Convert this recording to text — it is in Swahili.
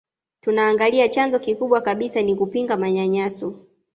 Tunaangalia chanzo kikubwa kabisa ni kupinga manyanyaso